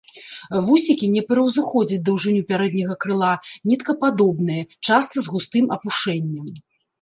Вусікі не пераўзыходзяць даўжыню пярэдняга крыла, ніткападобныя, часта з густым апушэннем.